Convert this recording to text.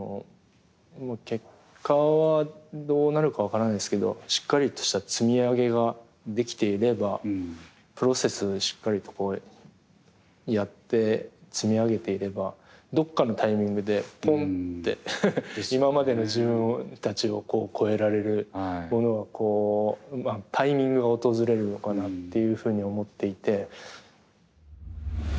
結果はどうなるか分からないですけどしっかりとした積み上げができていればプロセスしっかりとやって積み上げていればどこかのタイミングでポンって今までの自分たちを超えられるものがタイミングが訪れるのかなというふうには思っていて。